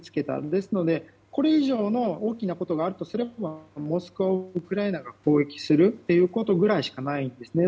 ですので、これ以上の大きなことがあるとすればモスクワをウクライナが攻撃するということくらいしかないんですね。